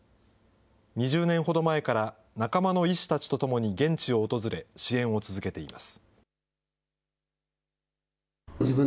２０年ほど前から、仲間の医師たちと共に現地を訪れ、支援を続けています。